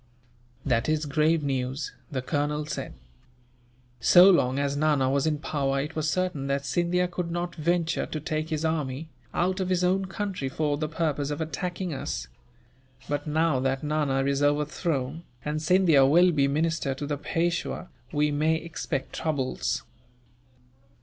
"That is grave news," the colonel said. "So long as Nana was in power, it was certain that Scindia could not venture to take his army, out of his own country for the purpose of attacking us; but now that Nana is overthrown, and Scindia will be minister to the Peishwa, we may expect troubles."